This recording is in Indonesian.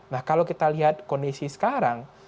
nah kalau kita lihat kondisi sekarang